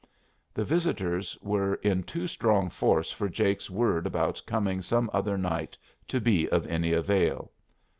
The visitors were in too strong force for Jake's word about coming some other night to be of any avail.